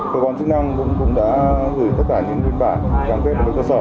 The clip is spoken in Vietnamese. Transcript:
cơ quan chức năng cũng đã gửi tất cả những biên bản cam kết với cơ sở